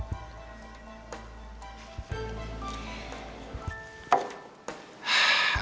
adriana juga kadang kadang memang keterlaluan ya